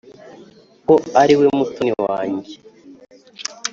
ko ariwe mutoni wanjye